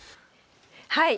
はい。